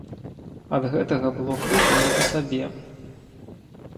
Ад гэтага было крыху не па сабе.